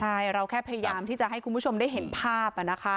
ใช่เราแค่พยายามที่จะให้คุณผู้ชมได้เห็นภาพ